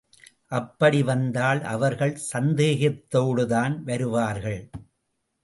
அப்படி வந்தால் அவர்கள் சந்தேகத்தோடுதான் வருவார்கள்.